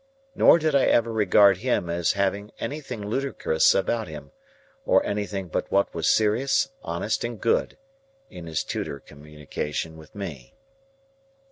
Nor did I ever regard him as having anything ludicrous about him—or anything but what was serious, honest, and good—in his tutor communication with me.